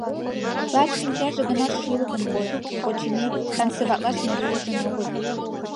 Лач шинчаже гына шӱлыкын койын, очыни, танцеватлаш нигӧ ӱжын огыл.